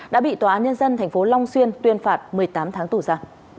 đã bị tòa án nhân dân thành phố long xuyên tuyên phạt một mươi tám tháng tù ra